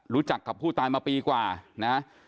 รู้จักกับผู้ตายมาปีกว่านะ